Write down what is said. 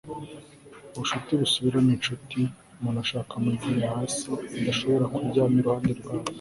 ubucuti busubiramo inshuti umuntu afasha mugihe hasi adashobora kuryama iruhande rwawe